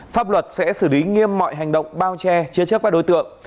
pháp luật sẽ xử lý nghiêm mọi hành động bao che chia chất với đối tượng